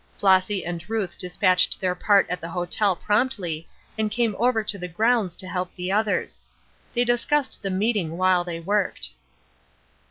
Flossy and Ruth dispatched their part at the hotel promptly and came over to the grounds to help the others. They discussed the meeting while they worked.